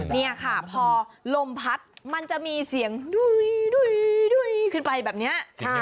นี่ค่ะพอลมพัดมันจะมีเสียงดุ้ยขึ้นไปแบบนี้